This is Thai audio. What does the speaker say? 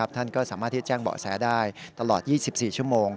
ท่านก็สามารถที่จะแจ้งเบาะแสได้ตลอด๒๔ชั่วโมง